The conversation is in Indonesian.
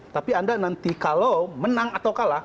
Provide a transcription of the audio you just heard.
tapi anda nanti kalau menang atau kalah